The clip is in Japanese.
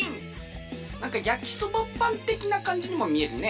なんかやきそばパンてきなかんじにもみえるね。